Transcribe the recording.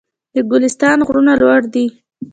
د ګلستان غرونه لوړ دي